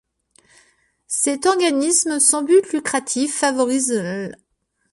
Cet organisme sans but lucratif favorise l'.